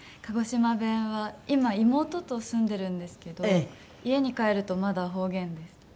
鹿児島弁は今妹と住んでるんですけど家に帰るとまだ方言です。